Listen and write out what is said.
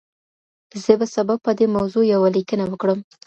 زه به سبا په دې موضوع يوه ليکنه وکړم.